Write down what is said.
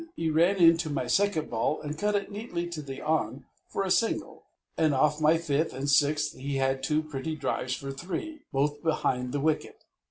He ran in to my second ball and cut it neatly to the on for a single, and off my fifth and sixth he had two pretty drives for three, both behind the wicket.